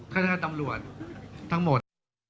ข้าท่านตำรวจทั้งหมด